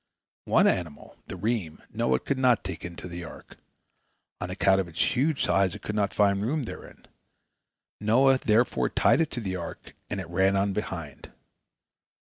One animal, the reem, Noah could not take into the ark. On account of its huge size it could not find room therein. Noah therefore tied it to the ark, and it ran on behind.